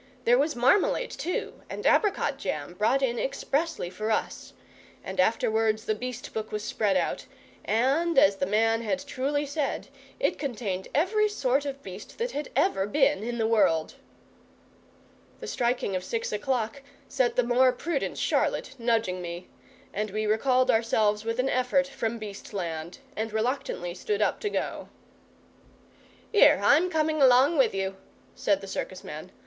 There was marmalade, too, and apricot jam, brought in expressly for us; and afterwards the beast book was spread out, and, as the man had truly said, it contained every sort of beast that had ever been in the world. The striking of six o'clock set the more prudent Charlotte nudging me, and we recalled ourselves with an effort from Beast land, and reluctantly stood up to go. "Here, I'm coming along with you," said the circus man.